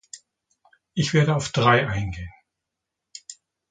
Ich werde auf drei eingehen.